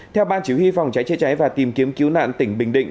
theo ban chỉ huy phòng cháy chế cháy và tìm kiếm cứu nạn tỉnh bình định